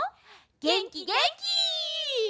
げんきげんき！